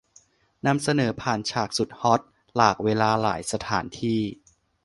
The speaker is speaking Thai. นำเสนอผ่านฉากสุดฮอตหลากเวลาหลายสถานที่